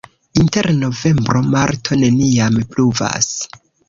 Inter novembro-marto neniam pluvas.